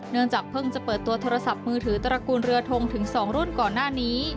เนื่องจากเพิ่งจะเปิดตัวโทรศัพท์มือถือตระกูลเรือทงถึง๒รุ่นก่อนหน้านี้